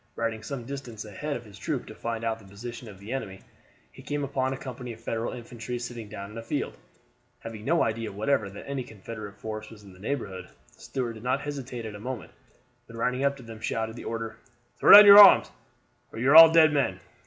Riding some distance ahead of his troop to find out the position of the enemy, he came upon a company of Federal infantry sitting down in a field, having no idea whatever that any Confederate force was in the neighborhood. Stuart did not hesitate a moment, but riding up to them shouted the order, "Throw down your arms, or you are all dead men."